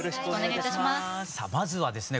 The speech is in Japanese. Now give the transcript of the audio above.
さあまずはですね